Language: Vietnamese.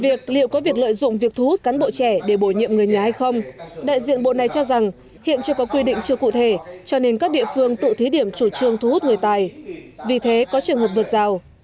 vì vậy liệu có việc lợi dụng việc thu hút cán bộ trẻ để bổ nhiệm người nhà hay không đại diện bộ này cho rằng hiện chưa có quy định chưa cụ thể cho nên các địa phương tự thí điểm chủ trương thu hút người tài vì thế có trường hợp vượt rào